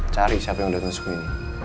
cari siapa yang udah ngesuk ini